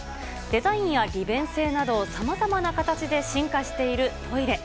デザインや利便性など、さまざまな形で進化しているトイレ。